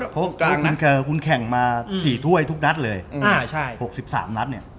เพราะว่าคุณแข่งมา๔ถ้วยทุกนัดเลย๖๓นัด